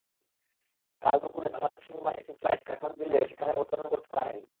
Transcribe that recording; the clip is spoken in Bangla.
কাল দুপুরে বাংলাদেশ বিমানের একটি ফ্লাইট কাঠমান্ডু গেলেও সেখানে অবতরণ করতে পারেনি।